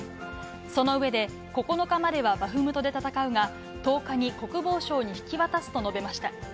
その上で、９日まではバフムトで戦うが、１０日に国防省に引き渡すと述べました。